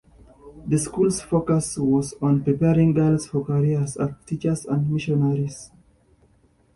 The school's focus was on preparing girls for careers as teachers and missionaries.